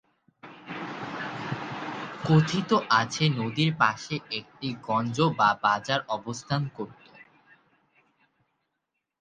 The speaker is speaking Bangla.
কথিত আছে, নদীর পার্শ্বে একটি গঞ্জ বা বাজার অবস্থান করতো।